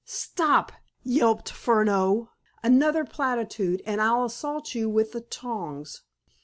"Stop!" yelped Furneaux. "Another platitude, and I'll assault you with the tongs!"